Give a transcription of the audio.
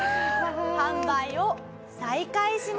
販売を再開しました。